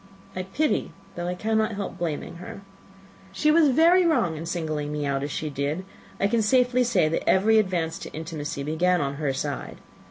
I pity, though I cannot help blaming, her. She was very wrong in singling me out as she did; I can safely say, that every advance to intimacy began on her side.